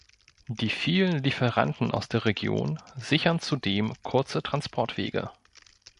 Die vielen Lieferanten aus der Region sichern zudem kurze Transportwege.